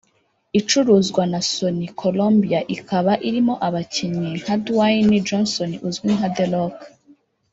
Icuruzwa na Sony/Columbia ikaba irimo abakinnyi nka Dwayne Johnson uzwi nka The Rock